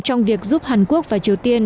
trong việc giúp hàn quốc và triều tiên